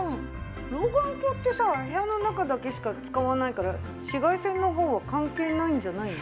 老眼鏡ってさ部屋の中だけしか使わないから紫外線の方は関係ないんじゃないの？